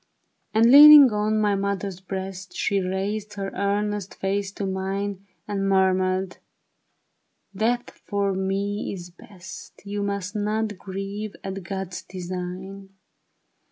And leaning on my mother breast, She raised her earnest face to mine And murmured, '^ Death for me is best. You must not grieve at God's design."